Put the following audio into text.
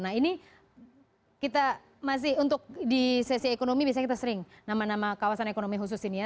nah ini kita masih untuk di sesi ekonomi biasanya kita sering nama nama kawasan ekonomi khusus ini ya